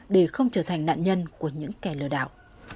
để không trở thành nạn nhân của những kẻ lừa đảo